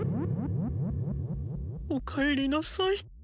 おかえりなさい。